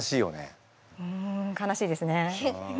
うん悲しいですね。